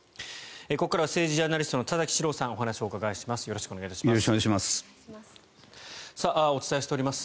ここからは政治ジャーナリストの田崎史郎さんお話をお伺いします。